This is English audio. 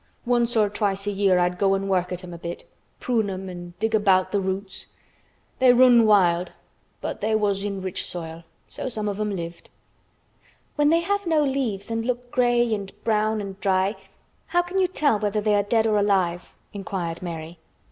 "Once or twice a year I'd go an' work at 'em a bit—prune 'em an' dig about th' roots. They run wild, but they was in rich soil, so some of 'em lived." "When they have no leaves and look gray and brown and dry, how can you tell whether they are dead or alive?" inquired Mary.